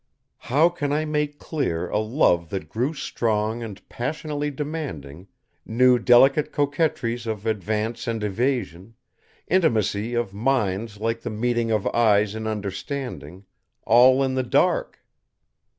How can I make clear a love that grew strong and passionately demanding, knew delicate coquetries of advance and evasion, intimacy of minds like the meeting of eyes in understanding all in the dark?